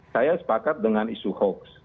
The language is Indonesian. saya sepakat dengan isu hoax